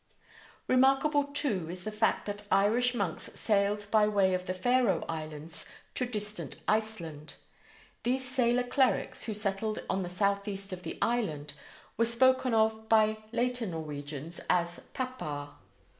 Remarkable, too, is the fact that Irish monks sailed by way of the Faroe Islands to distant Iceland. These sailor clerics, who settled on the southeast of the island, were spoken of by later Norwegians as "papar."